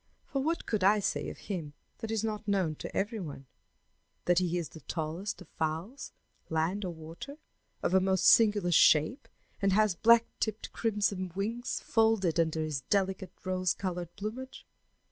For what could I say of him that is not known to every one that he is the tallest of fowls, land or water, of a most singular shape, and has black tipped crimson wings folded under his delicate rose colored plumage?